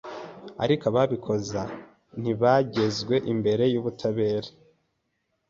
ariko ababikoze ntibagezwe imbere y’ubutabera